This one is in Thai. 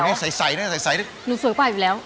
นี่ใสนี่สวยกว่าอยู่แล้ว